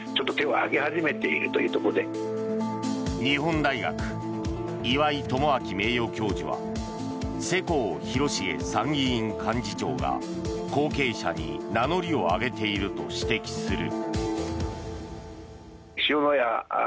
日本大学、岩井奉信名誉教授は世耕弘成参議院幹事長が後継者に名乗りを上げていると指摘する。